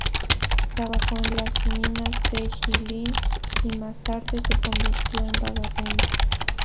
Trabajó en las minas de Jilin y más tarde se convirtió en vagabundo.